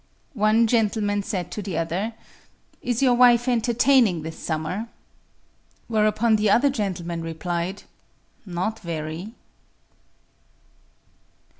One gentleman said to the other: "Is your wife entertaining this summer?" Whereupon the other gentleman replied: "Not very."